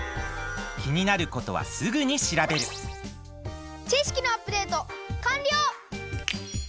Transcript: きになることはすぐにしらべるちしきのアップデートかんりょう！